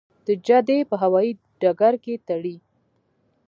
د جدې په هوايي ډګر کې تړي.